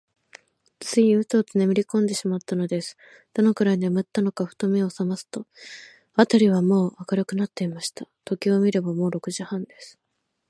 ついウトウトねむりこんでしまったのです。どのくらいねむったのか、ふと目をさますと、あたりはもう明るくなっていました。時計を見れば、もう六時半です。